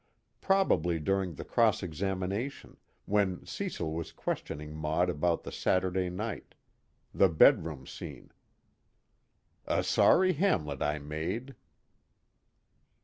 Probably during the cross examination, when Cecil was questioning Maud about the Saturday night, the bedroom scene _A sorry Hamlet I made!